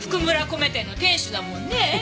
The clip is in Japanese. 米店の店主だもんね。